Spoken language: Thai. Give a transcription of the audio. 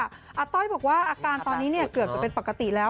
อาต้อยบอกว่าอาการตอนนี้เกือบจะเป็นปกติแล้ว